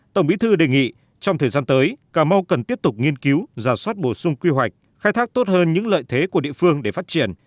tổng bí thư đề nghị trong thời gian tới cà mau cần tiếp tục nghiên cứu giả soát bổ sung quy hoạch khai thác tốt hơn những lợi thế của địa phương để phát triển